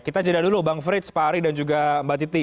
kita jeda dulu bang frits pak ari dan juga mbak titi